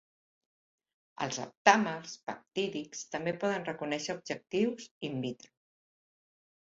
Els aptàmers peptídics també poden reconèixer objectius "in vitro".